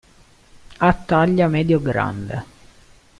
Ha taglia medio-grande.